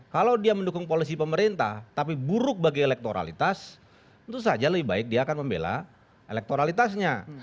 kalau dia mendukung polisi pemerintah tapi buruk bagi elektoralitas tentu saja lebih baik dia akan membela elektoralitasnya